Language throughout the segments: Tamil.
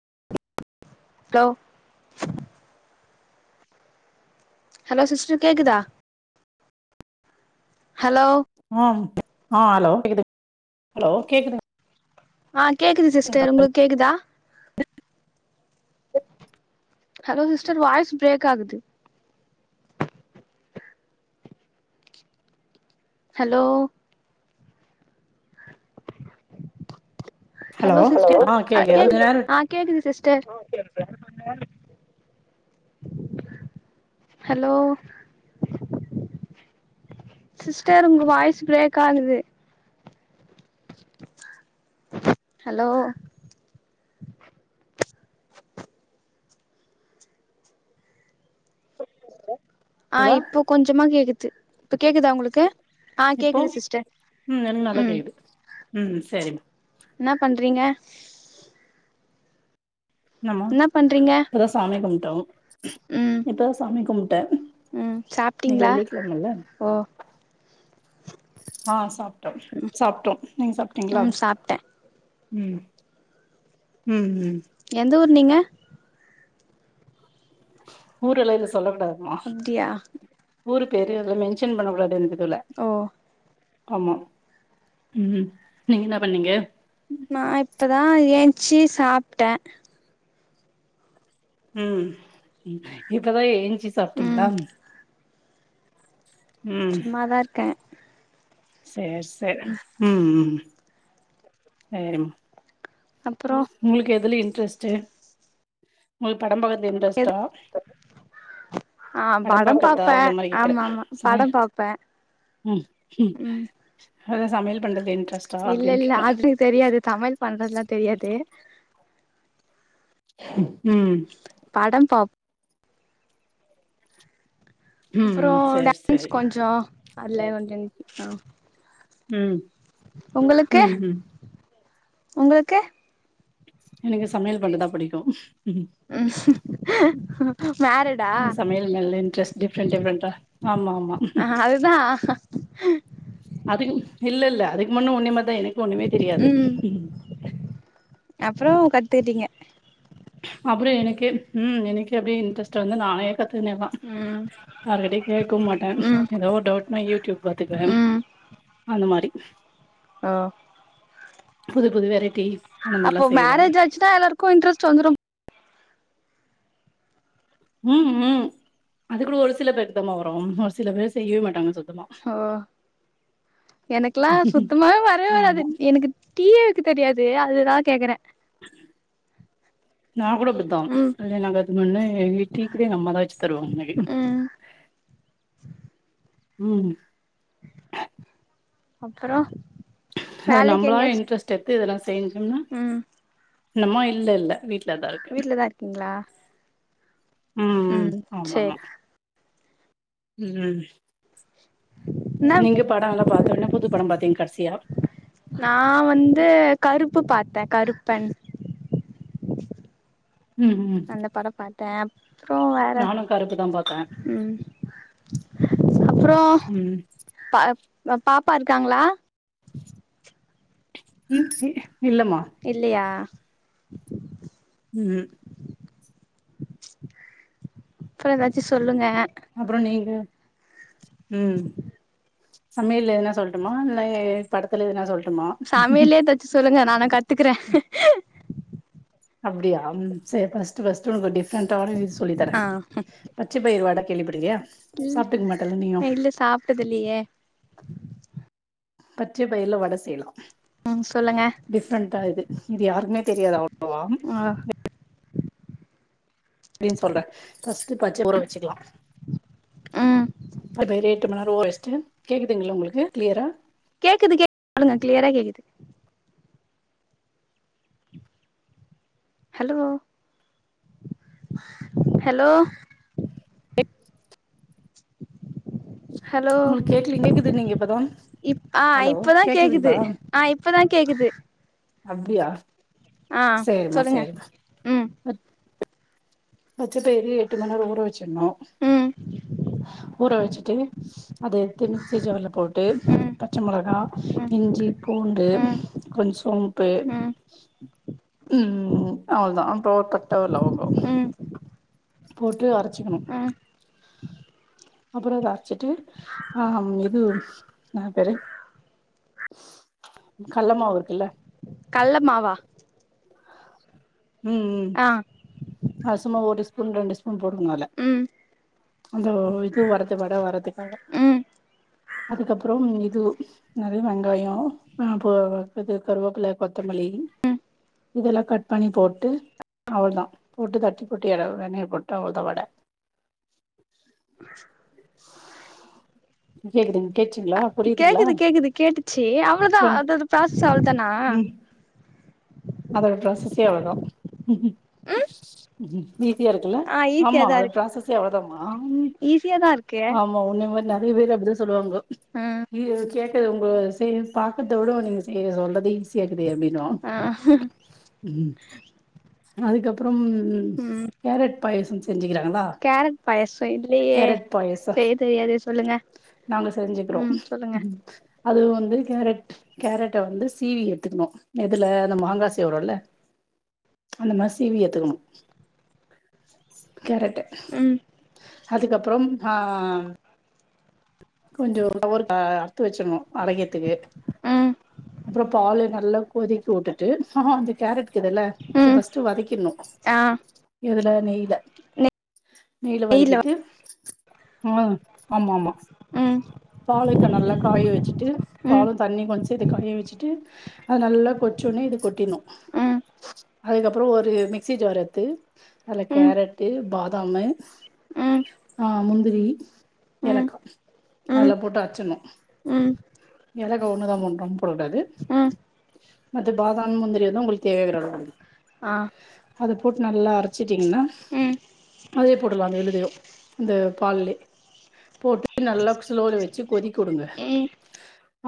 [unintelligible] [inaudible] ஹலோ சிஸ்டர் கேட்குதா ஹம் ஆஹ் ஹலோ கேக்குது ஹலோ கேக்குது ஆஹ் கேக்குது சிஸ்டர் உங்களுக்கு கேக்குதா ஹலோ சிஸ்டர் வாய்ஸ் பிரேக் ஆகுது ஹலோ ஹலோ சிஸ்டர் ஆ கேக்குது அதுக்கு கேட்குது நேரம் ஆஹ் கேட்குது சிஸர் ச ஹலோ சிஸ்டர் உங்க வாய்ஸ் பிரேக் ஆகுது ஹலோ ஆஹ் விட்டீங்களா இப்போ கொஞ்சமா கேக்குது இப்ப கேக்குதா உங்களுக்கு ஆ இப்போ கேக்குது சிஸ்டர் உம் எனக்கு நல்லா ம் கேட்குது உம் சரிம்மா என்ன பண்றீங்க ஆமா என்ன பண்றீங்க இப்பதான் சாமி கும்பிட்டோம் இப்பதான் சாமி கும்பிட்டேன் உம் இன்னைக்கு சாப்பிட்டீங்களா வெள்ளிக்கிழமல்ல ஓ ஆஹ் சாப்பிட்டோம் சாப்பிட்டோம் நீங்க சாப்பிட்டீங்களா ம் சாப்ட்டே உம் உம் உம் எந்த ஊர் நீங்க ஊரெல்லாம் இல்ல சொல்லக்க கூடாது அப்படியா ஊரு பேரு இதுல மென்ஷன் பண்ண விளாட இருந்ததுல ஓ ஆமா உம் நீங்க என்ன பண்ணீங்க நான் இப்பதான் ஏந்திச்சு சாப்பிட்டேன் உம் இப்பதான் ஏஞ்சி ம் சாப்பிட்டீங்களா சும்மாதான் இருக்கேன் சரி சரி உம் சரி அப்றோ உங்களுக்கு எதுல இன்ட்ரெஸ்ட்டு உங்களுக்கு படம் பாக்றதுல எது இன்ட்ரெஸ்ட்டா ஆ படம் பாக்ரத்தா பாப்பே அந்த மாரி கேக்குறேன் ஆமா ஆமா சமையல் படம் பாப்பே உம் ஹும் அதான் சமையல் பண்றதுன்ட் இல்லல்ல ஆது தெரியாது சமயல் பண்றதுல்லாம் தெரியாது ஹும் படம் பாப் ம் ம் அப்புறம் சேர் டேன்ஸ் சேரி கொஞ்சம் அதுல கொஞ்சம் இன்ட்ரெஸ்ட் தான் உம் உங்களுக்கு உங்களுக்கு எனக்கு சமையல் பன்றதான் புடிக்கும் உம் சமையல் நல்ல இன்ட்ரெஸ்ட் டிஃப்ரெண்ட் டிஃப்ரெண்டா ஆமா மா ஹ அதுக்குன் இல்லல்ல அதுக்கு முன்னு உன்னிய மாதி தான் எனக் கும் ஒண்ணுமே தெரியாது அப்புறோம் கத்துக்கிட்டீங்க அப்புறம் எனக்கே உம் எனக்கே அப்டியே இன்ட்ரெஸ்ட்டு வந்து நானே கத்துக்கினேல்லாம் ம் யார்கிட்டயும் கேக்கவும் மாட்டேன் ம் ஏதோ ஒரு டவுட்னா யூடியூப் பாத்துக்குவேன் அந்த மாரி அ புதுப்புது வெரேட்டிஸ் அப்போ மேரேஜ் ஆச்சினா எல்லாருக்கு இன்ட்ரெஸ்ட்டு வந்துரும் ம் ம் அது கூட ஒரு சில பேருக்கு தாமா வரும் ஒரு சில பேர் செய்யவே மாட்டாங்க சொல் ஒ எனக்குலா சுத்தமாவே வரவே வராது ஆமா எனக்கு டீயே வெக்க தெரியாது அதுதான் நா கூட அப்டித்தா ம் கல்யாண ஆகாதக்குமுன்னே டீக்கூட எங்க அம்மாதா வெச்சி தருவாங்க எனக்கு ம் ம் அப்புறோ அது நம்பளா இன்ட்ரெஸ்ட் எத்து இதெல்லா செய்ஞ்சோம்னா ம் நம்மொ இல்லல்ல வீட்ல தா இருக்கு வீட்லதா இருக்கீங்ளா ம் ம் ஆமாமா ம்கும் என்ன நீங்க படோ எல்லா பாத்தோன்ன புது படம் பாத்தீங் கடசியா நா வந்து கருப்பு பாத்த கருப்பன் ம் ம் அந்தப் படம் பாத்த அப்றோ வேற நானு கருப்பு தா பாத்தே ம் அப்றோ ம் ப அ பாப்பா இருக்காங்ளா ம் சி இல்லமா இல்லையா ம் அப்றோ எதாச்சி சொல்லுங்க அப்புறோ நீங்க ம் சமையல்ல எதுனா சொல்ட்டுமா இல்லே படத்துல எதுனா சொல்ட் சமையல்லே எதாச்சு சொல்லுங்க நானா கத்துக்குற அப்டியா ம் செர் ஃபஸ்ட்டு ஃபஸ்ட்டு உங்களுக் டிஃப்ரெண்டான இது சொல்லித்தர ஆ பச்சபயிரு வட கேள்விபட்ருக்கியா இல் அ இல்ல சாப்ட்டதில்லயே பச்சே பயிர்ல வட செய்லா ம் சொல்லுங்க டிஃப்ரெண்டா இது இது யாருக்குமே தெரியாது அவ் ளவா ஆ எப்டின் சொல்ற ஃபர்ஸ்ட்டு பச்ச ஊற வச்சிக்கலா ம் அது ரேட்டு மண்ணர் ஊற வெஸ்டு கேக்குதுங்களா உங்களுக்கு கிளியரா கேக்குது கே சொல்லுங்க கிளியரா கேக்குது ஹலோ ஹலோ ஹலோ உங்களுக் கேக்குலீங் கேக்குது நீங்க இப்பதா இப் அ ஹலோ இப்பதா கேக்குது கேக்குதுங்களா அ இப்பதா கேக்குது அப்டியா ஆ சேரிமா சொல்லுங்க சேரிமா ம் பச்ச பயிரு எட்டு மண்நேரோ ஊற வச்சின்னோ ம் ஊற வச்சிட்டு அத எத்து மிக்சி ஜார்ல போட்டு ம் பச்ச மொளகா ம் இஞ்சி பூண்டு ம் கொஞ் சோம்பே ம் ம் அவ்ள்தா அப்றோ பட்ட லவங்கோ ம் போட்டு அரச்சிக்கணு ம் அப்புறோ அத அரச்சிட்டு அ இது இன்னா போரு கல்லமாவுருக்குல்ல கல்லமாவா ம் ம் அது சும்மா ஒரு ஸ்பூன் ரெண்டு ஸ்பூன் போடுங்கனோ அதுல ம் அந்தோ இது வர்றது வட வர்றதுக்காக ம் அதுக்கப்புறோம் இது நெறைய வெங்காயோ அஹ் அப்போ இது கருவேப்பிள்ள கொத்த மல்லி இதெல்லா கட் பண்ணி போட்டு அவ்ள்தா போட்டு தட்டி போட்டு எட வெண்ணயில போட்ட உலுத்தவட கேக்குதுங் கேட்ச்சி கேக்குது கேக்குது கேட்டுச்சி அவ்ளோதா சொல்லுங் அதோட பராசஸ் அவ்ளோதானா ம் அதோட ப்ராசஸே அவ்ளோதா ஈஸியா இருக்குல்ல ஆ ஈஸியா ஆமா தா அது இருக்கு ப்ராசஸே எவ்வளதாமா ஈஸியா தா இருக்கு ஆமா உன்ன மாரி நா நெறைய பேரு அப்டிதா சொல்லுவாங்கோ ம் உங்கள செய் பாக்கறத விட நீங்க செய் சொல்லறது ஈஸியாக்குது அப்டின்னுவாங் ஆ அதுக்கப்புறம் ம் கேரட் பாயசம் செஞ்சிக்கிற கேரட் பாயசோ இல்லியே பாயசம் செய்ய தெரியாது சொல்லுங்க நாங்க செஞ்சிக்கிறோ ம் சொல்லுங்க அது வந்து கேரட் கேரட்ட வந்து சீவி எடுத்துக்கணு இதுல இதுல மாங்கா சீவுறோல அந்த மாரி சீவி எத்துக்கணு கேரட்டு ம் அதுக்கப்புறம் அஹ் கொஞ்சோ ஒரு அஹ் அறுத்து வச்சிட்ணோ அரைக்கிற்துக்கு ம் அப்புறம் பாலு நல்லா கொதிக்க வுட்டுட்டு அந்த கேரட் இருக்குதுல்ல ம் ஃபர்ஸ்ட்டு வதக்கிட்ணோ ஆ எதுல நெய்ல நெய்ல வெயில்ல வதக்கிட்டு அஹ் ஆம ஆமா ம் பால இப்ப நல்லா காய வச்சிட்டு ம் பாலு தண்ணி கொஞ்சோ இது காய வச்சிட்டு அது நல்லா கொச்சோனே இது கொட்டிட்னோ ம் அதுக்கப்புறோ ஒரு மிக்சி ஜார் எத்து அதுல ம் கேரட்டு பாதாமு ம் அஹ் முந்திரி ம் ஏலக்கா ம் அதெல்லா போட்டு அர்ச்சின்னோ ம் ஏலக்கா ஒண்ணுதா போட்னோ ரெண்டுலா போட கூடாது ம் மத்த பாதாம் முந்திரிலா உங்களுக்கு தேவையாங்குற அளவு அஹ் அத போட்டு நல்லா அரச்சிட்டீங்ன்னா அதே போட்டுலா அந்த விலுதயு இந்த பால்லயே போட்டு நல்லா ஸ்லோல வச்சி நல்லா கொதிக்க வுடுங்க ம்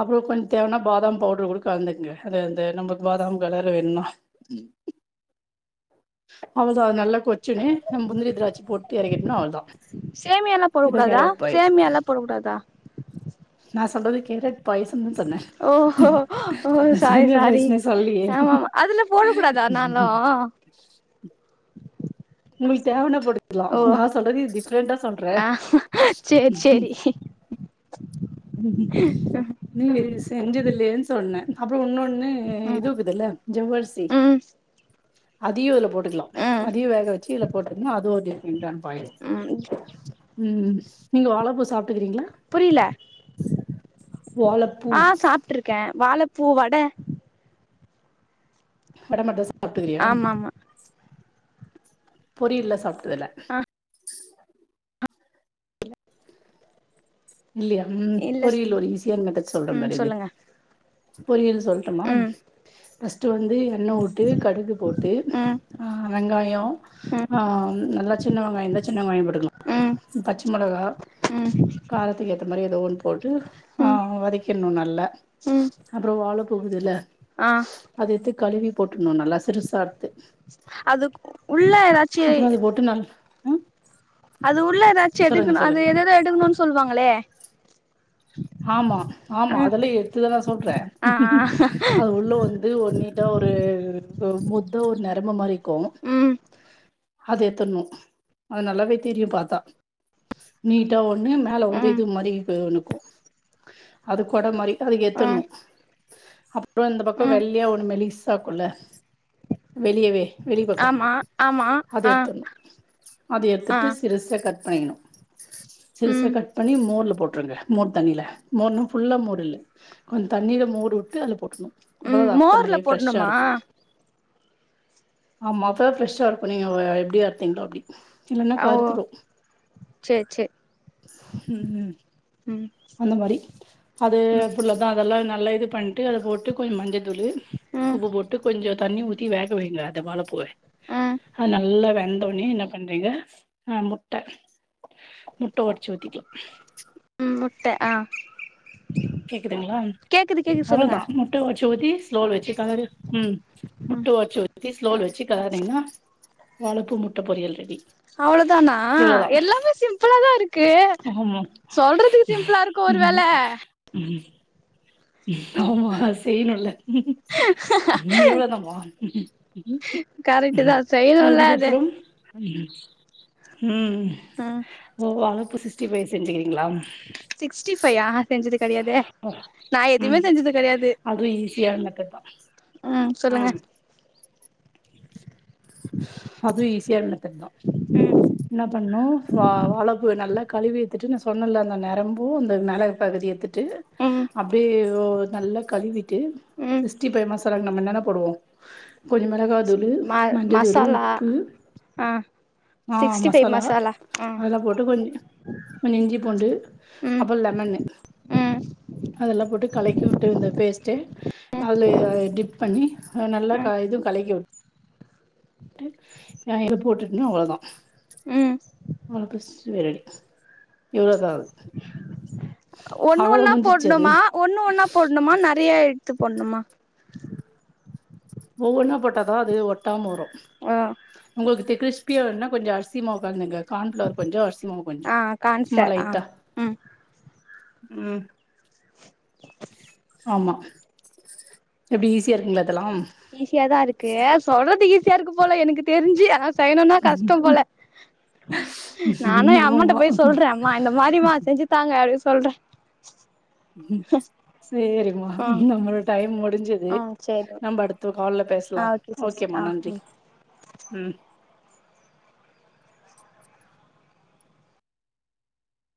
அப்போ கொஞ்சோ தேவனா பாதாம் பவுடரு கூட கழந்துகுங்க அது அந்த நம்மக்கு பாதாம் கலற வேணுண்ணா அவ்ளதா அது நல்லா கொச்சன்னே நம் முந்திரி திராச்சு போட்டு இறக்கீட்டோனா அவ்ளோதா. சேமியால்லா போட இதா கூடாதா? கேரட் பாயசம் சேமியால்லா போட கூடாதா? நா சொல்றது கேரட் பாய்ச ஓஹோ ஓ நா சாரி சேமியா சாரி பாயஸ்னே சொல்லயே ஆமாமா அதுல போடக்கூடாதா நா னா உங்கள்க்கு தேவனப்படு த்லா ஓ நா சொல்றது டிஃப்ரெண்டா சொல்றே ஆ சேரி சேரி ம் நீ செஞ்சதில்லேன் சொ சொன்ன அப்புறோ உன்னொண்ணு ம் இது இக்குதுல்ல ஜவ்வர்சி ம் அதியோஅதுல போ ட்டுக்லா ம் அதயு வேக வச்சு இதுல போட்ரனு அது ஒரு டிஃப்ரண்டான பாயா ம் நீங்க வாழப்பூ சாப் புரில வாழப்பூ ஆஹ் சாப்ட்டு இருக்க வாழப் ப்பூ வட மேடம் மந்தா சாப்டதில்லியா? ஆமாமா பொரியல்லா சாப்ட்டதில. ஆ இல்லியா ம் இல்ல பொரியல் ஒரு ஈஸியான மெத்தட் சொல்ற ம் பாரு இது சொல்லுங்க பொரியல் சொல்டுமா? ம் டு வந்து எண்ணவுட்டு கடுகு போட்டு ம் அ வெங்காயோ ம் நா நல்லா சின்ன வெங்காயோ இருந்தா சின்ன வெங்காயோ போட்டுக்கலா ம் பச்ச மொளகா ம் காரத்துக்கு ஏத்த மாரி ஏதோ ஒன்னு போட்டு ஆ ம் வதக்கிட்னு நல்லா ம் அப்புறோ வாழப்பூக்குதுல்ல ஆ கழுவி போட்ருன்னு நல்லா சிறுசா அறுத்து அது உள்ள ஏதாச்சு அப்றோ அத போட்டு நல் ம் அது உள்ள ஏதாச்சி சொல்லுங்க எடுக்கனு அது சொல்லுங்க எததோ எடுக்கணுன்னு சொல்லுவாங்களே ஆமா ஆமா ம் அதெல்லா எடுத்துதா நா சொல்றே ஆ அது உள்ள வந்து ஒரு நி ட்டா ஒரு முத்தா ஒரு நரம்பு மாரி இருக்கோ ம் அத எடுத்துட்னு. அது நல்லாவே தெரியு பாத்தா நீட்டா ஒர் னு மேல வந்து ம் இது மாரி இது ஒன்னு அது கொட மாரி அதக் எத்துட்னு ம் அப்றோ இந்த பக்கோ ம் வெள்ளயா ஒன்னு மேலிஸா இருக்குல்ல வெளியவே வெளிப்பக்கோ ஆமா ஆமா அத ஆ எத்துட்னு. அத ஆ எத்துட்டு சிறுசா கட் [unintelligible] சிறுசா ம் கட் பண்ணி மோர்ல போட்ருங்க. மோர் தண்ணில மோர்னா ஃபுல்லா மோரு இல்ல கொஞ்சோ தண்ணீல மோர்வுட்டு அதுல போட்ருனு. ம் அவ்வளவுதா அர்த்த மோர்ல மாரியே ஃப்ரெஷ்ஷா போடணுமா இருக்கு. ஆமா அப்பதா ஃப்ரெஷ்ஷா இருக்கு. நீங்க எப்டி அர்திங்களோ அப்டி இல்லன்னா ஓ கருத்துடு சேரி சேரி ம் ம் அந்த மாரி அது ம் அதுலதா அதெல்லா நல்லா இது பண்ட்டு அத போட்டு கொஞ்சோ மஞ்சள் அதுலயே ம் உப்பு போட்டு கொஞ்சோ தண்ணி ஊத்தி வேக வைங்க அந்த வாழப்பூவ. ம் அது நல்லா வெந் தோனே என்ன பண்றீங்க ஆ முட்ட முட்ட ஒடச்சி ஊத்திக்கலா ம் முட்ட ஆ கேக்குதுங்ளா? கேக்குது கேக்குது சொல்லுங்க அவ்ளோதா முட்ட ஒச்சு ஊத்தி ஸ்லோ வெச்சுக்களறு ம் முட்ட ஒச்சு ஊத்தி ஸ்லோல வெச்சு கெளர்னிங்னா வாழப்பூ முட்ட பொரியல் ரெடி. அவ்ளோதானா இவ்ளோதா எல்லாமே சிம்பளா தா இருக் க்கு ஆமா சொல்றதுக்கு சிம்பளா இருக்கோ ஒரு வேல ம் ம் ஆமா செய்ணுல்ல இவ்ளோதாமா கரெக்ட் தா செய்யணும்ல அது அதுக்கப்றோ ம் ம் ம் ஓ வாழப்பூ சிக்ஸ்டீஃபை செஞ்சிக்கி சிக்ஸ்டி ஃபைய்யா செஞ்சது கெடையாதே நா எதுவுமே செஞ்சது கெடையாது ஈசியான மெத்தட்பா ம் சொல்லுங்க அதுவு ஈஸியான மெத்தட் தா ம் என்ன பண்ணு வா வாழ பூவ நல்லா கழுவி எத்துட்டு நா சொன்னல்ல அந்த நரம்பும் அந்த மேல பகுதி எத்துட் ட்டு ம் அப்டியே நல்லா கழுவிட்டு ம் சிக்ஸ்டி ஃபை மசாலா நம்ம என்ன என்னலா போடுவோ கொஞ்சோ மொளகா தூளு ம மஞ்ச தூளு மசாலா உப்பு ஆ ஆ சிக்ஸ்டி ஃபைவ் மசாலா ஆ அதெல்லா போட்டு கொஞ்சோ கொஞ்சோ இஞ்சி பூண்டு ம் அப்புறோம லெமன்னு ம் அதெல்லா போட்டு கலக்கி விட்டு இந்த பேஸ்ட்டு அதில டிப் பண்ணி நல்லா ம் க இது கலக்கிவுட் டு எண்ணெயில போட்டுட்டோம்னா அவ்ளோதா ம் அது சேரி இவ்வளோ தா அது ஒன்னு ஒன்னா போட்ணுமா ஒன்னு ஒன்னா போட்ணுமா நெறைய எடுத்து போட்ணுமா ஒவ்வொன்ன போட்டாதா அது ஒட்டாம வரோ ஆ உங்களுக்கு கிரிஸ் ப்பியா வேணும்னா கொஞ்சோ அரிசி மாவு கலந்துகோங்க கான்ஃபிளவர் கொஞ்சோ அரிசி மாவு கொஞ்சோ ஆ சும்மா கான்ஃப்ளவர் ஆ லைட்டா ம் ம் ஆமா எப்படி ஈஸியா இருக்குங்களா இதெல்லாம் ஈஸியா தான் இருக்கு சொல்றது ஈஸியா இருக்கு போல எனக்கு தெரிஞ்சு ஆன செய்யணும்ன்னா கஷ்டம் போல நானும் என் அம்மிட்ட ஆமா போய் சொல்றேன் அம்மா இந்த மாதிரிமா செஞ்சுத்தாங்க அப் சொல்றன் சேரிம்மா ம் நம்மளோட டைம் முடிஞ்சது ம் சேரி நம்ம அடுத்து கால்ல ஆ பேசலாம் ஓகே சிஸ் ஓகேம்மா ஆ நன்றி ம் ம்